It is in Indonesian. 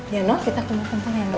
ya nol kita kumpul kumpul ya nol